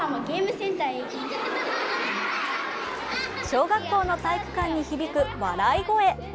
小学校の体育館に響く笑い声。